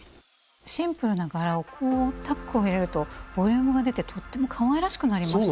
シンプルな柄をこうタックを入れるとボリュームが出てとってもかわいらしくなりましたね。